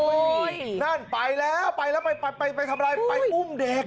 โอ้ยนั่นไปแล้วไปแล้วไปไปไปไปทำอะไรไปอุ้มเด็ก